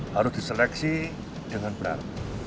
harus diseleksi dengan benar